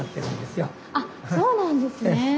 あそうなんですね。